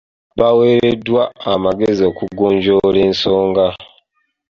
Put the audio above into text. Baaweereddwa amagezi okugonjoola ensonga.